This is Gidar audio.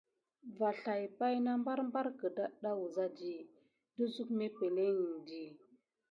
Vo täbana ɓarbar ke ɗeɗa wuza dit nekua pay ɗe van à ɗaɗa wuza.